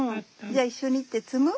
じゃあ一緒に行って摘む？